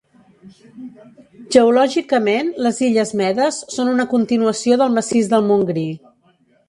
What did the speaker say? Geològicament les illes medes són una continuació del massís del Montgrí.